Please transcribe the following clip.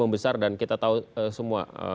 membesar dan kita tahu semua